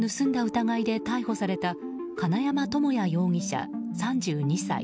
疑いで逮捕された金山智也容疑者、３２歳。